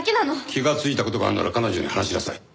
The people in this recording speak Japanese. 気がついた事があるなら彼女に話しなさい。